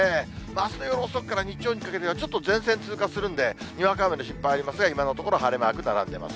あすの夜遅くから日曜にかけては、ちょっと前線通過するんで、にわか雨の心配ありません、今のところ、晴れマーク並んでます。